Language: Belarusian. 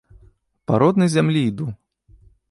Па роднай зямлі іду.